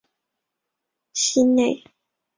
西藏对叶黄堇为罂粟科紫堇属下的一个种。